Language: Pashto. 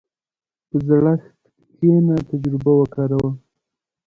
په زړښت کښېنه، تجربه وکاروه.